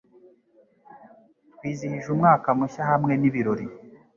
Twizihije umwaka mushya hamwe n'ibirori.